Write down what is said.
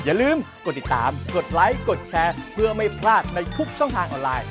อย่าลืมกดติดตามกดไลค์กดแชร์เพื่อไม่พลาดในทุกช่องทางออนไลน์